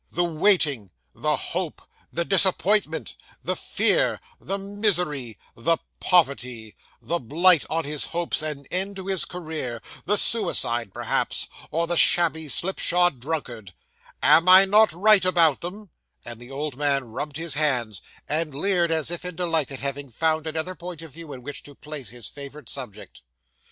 The waiting the hope the disappointment the fear the misery the poverty the blight on his hopes, and end to his career the suicide perhaps, or the shabby, slipshod drunkard. Am I not right about them?' And the old man rubbed his hands, and leered as if in delight at having found another point of view in which to place his favourite subject. Mr.